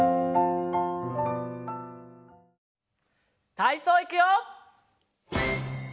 たいそういくよ！